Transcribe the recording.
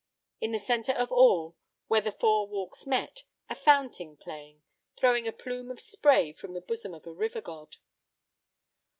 In the centre of all, where the four walks met, a fountain playing, throwing a plume of spray from the bosom of a river god.